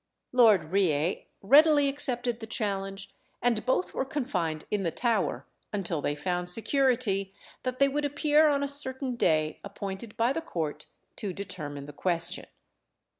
Lord Reay readily accepted the challenge, and both were confined in the Tower until they found security that they would appear on a certain day appointed by the court to determine the question.